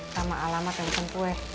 sama alamat yang sentuh ya